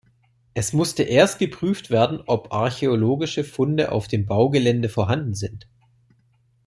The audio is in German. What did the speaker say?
Es musste erst geprüft werden, ob archäologische Funde auf dem Baugelände vorhanden sind.